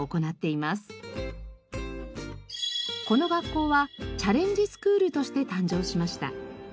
この学校はチャレンジスクールとして誕生しました。